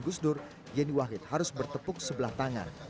yang diwakil harus bertepuk sebelah tangan